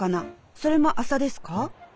それも麻ですか？